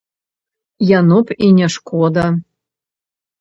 Яно б і не шкода.